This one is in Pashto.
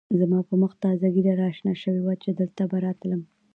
زما په مخ تازه ږېره را شنه شوې وه چې دلته به راتلم.